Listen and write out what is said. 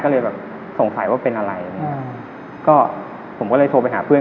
ก็เลยสงสัยว่าเป็นอะไรผมก็เลยโทรไปหาเพื่อน